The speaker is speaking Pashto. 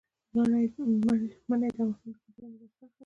منی د افغانستان د کلتوري میراث برخه ده.